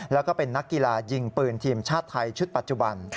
แล้วก็เป็นนักกีฬายิงปืนทีมชาติไทยชุดปัจจุบัน